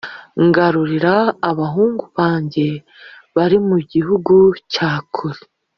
Ngarurira abahungu banjye bari mu gihugu cya kure,